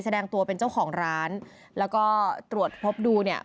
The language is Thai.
แสดงตัวเป็นเจ้าของร้านแล้วก็ตรวจพบดูเนี่ย